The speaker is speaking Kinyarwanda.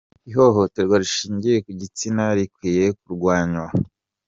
Ihohoterwa rishingiye ku gitsina rikwiye kurwanywa.